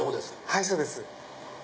はいそうです。